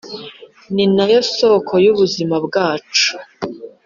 ninayo soko y’ubuzima bwacu